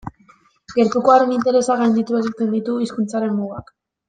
Gertukoaren interesak gainditu egiten ditu hizkuntzaren mugak.